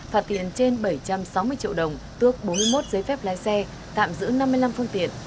phạt tiền trên bảy trăm sáu mươi triệu đồng tước bốn mươi một giấy phép lái xe tạm giữ năm mươi năm phương tiện